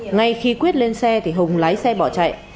ngay khi quyết lên xe thì hùng lái xe bỏ chạy